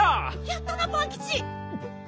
やったなパンキチ。